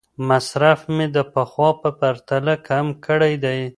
مصرف مې د پخوا په پرتله کم کړی دی.